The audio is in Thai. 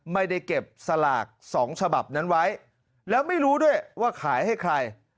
ไม่ได้เก็บสลาก๒ฉบับนั้นไว้แล้วไม่รู้ด้วยว่าขายให้ใคร